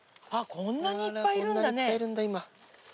こんなにいっぱいいるんだね。